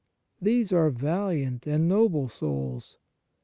These are valiant and noble souls.